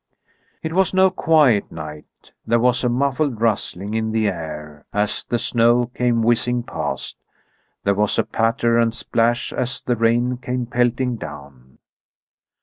It was no quiet night. There was a muffled rustling in the air, as the snow came whizzing past; there was a patter and splash as the rain came pelting down.